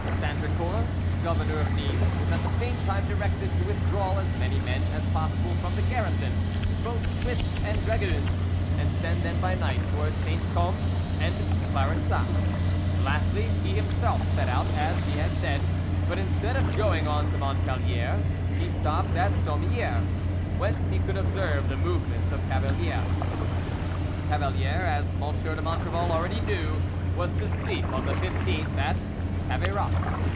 Sandricourt, governor of Nimes, was at the same time directed to withdraw as many men as possible from the garrison, both Swiss and dragoons, and send them by night towards Saint Come and Clarensac; lastly, he himself set out, as he had said, but instead of going on to Montpellier, he stopped at Sommieres, whence he could observe the movements of Cavalier. Cavalier, as M. de Montrevel already knew, was to sleep on the 15th at Caveyrac.